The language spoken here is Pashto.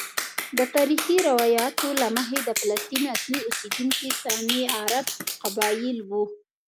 د تاریخي روایاتو له مخې د فلسطین اصلي اوسیدونکي سامي عرب قبائل وو.